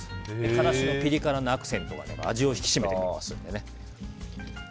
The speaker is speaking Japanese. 辛子のピリ辛のアクセントが味を引き締めてくれますのでね。